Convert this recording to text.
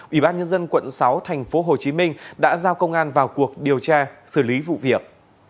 ủy ban nhân dân quận sáu tp hcm đã giao công an vào cuộc điều tra xử lý vụ việc